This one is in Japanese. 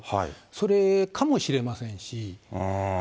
それかもしれませんし。